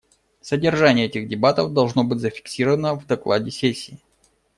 Содержание этих дебатов должно быть зафиксировано в докладе сессии.